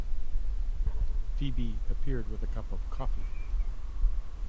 Phebe appeared with a cup of coffee.